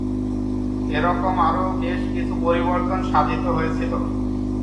এরকম আরও বেশ কিছু পরিবর্তন সাধিত হয়েছিল।